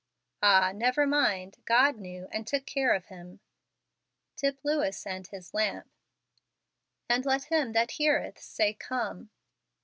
Ah, never mind! God knew, and took care of him. Tip Lewis and His Lamp. " And let him that heareth say, Come."